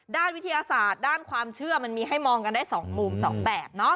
ด้านวิทยาศาสตร์ด้านความเชื่อมันมีให้มองกันได้สองมุมสองแบบเนาะ